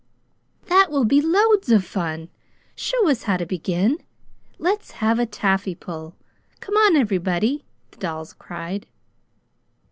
"That will be loads of fun!" "Show us how to begin!" "Let's have a taffy pull!" "Come on, everybody!" the dolls cried.